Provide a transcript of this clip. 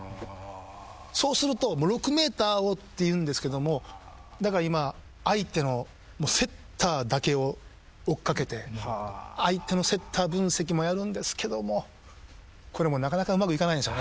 そうすると６ｍをっていうんですけどもだから今相手のセッターだけを追っ掛けて相手のセッター分析もやるんですけどもこれもなかなかうまくいかないんですよね。